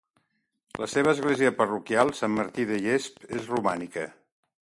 La seva església parroquial, Sant Martí de Llesp, és romànica.